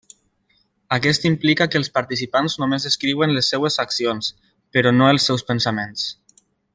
Aquest implica que els participants només descriuen les seves accions, però no els seus pensaments.